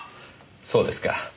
そうですか。